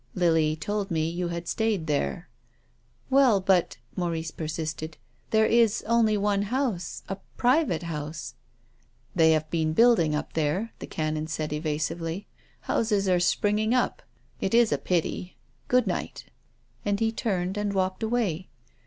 " Lily told me you had stayed there." " Well, but —" Maurice persisted, " there is only one house, a private house." " They have been building up there," the Canon said evasively. " Houses are springing up. It is a pity. Good night." And he turned and walked away.